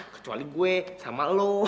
kecuali gue sama lo